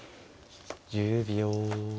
１０秒。